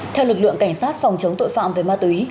theo lực lượng cảnh sát phòng chống tội phạm về ma túy